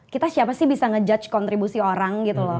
kita siapa sih bisa ngejudge kontribusi orang gitu loh